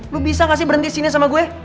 lu bisa gak sih berhenti sini sama gue